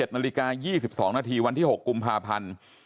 ๑นาฬิกา๒๒นาทีวันที่๖กุมภาพันธ์